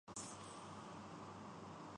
لیکن اب اخبارات سے چڑ ہونے لگی ہے۔